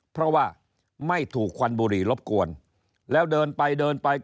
เพราะว่าไม่ถูกควันบุหรี่รบกวนแล้วเดินไปเดินไป